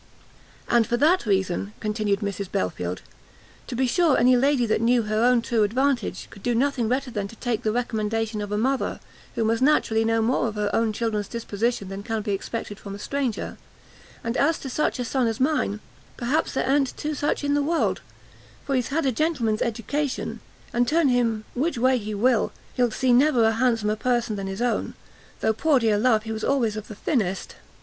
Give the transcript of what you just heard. "And for that reason," continued Mrs Belfield, "to be sure any lady that knew her own true advantage, could do nothing better than to take the recommendation of a mother, who must naturally know more of her own children's disposition than can be expected from a stranger; and as to such a son as mine, perhaps there a'n't two such in the world, for he's had a gentleman's education, and turn him which way he will, he'll see never a handsomer person than his own; though, poor dear love, he was always of the thinnest.